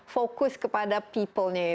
fokus kepada people